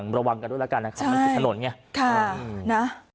เธอก็เชื่อว่ามันคงเป็นเรื่องความเชื่อที่บรรดองนำเครื่องเส้นวาดผู้ผีศาจเป็นประจำ